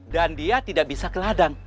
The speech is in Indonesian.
dan dia tidak bisa ke ladang